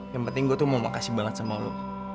yang penting gue tuh mau makasih banget sama lo